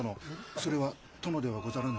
それは殿ではござらぬ。